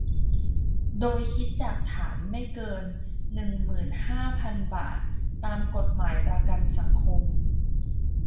โดยคิดจากฐานไม่เกิน หนึ่งหมื่นห้าพัน บาท ตามกฎหมายประกันสังคม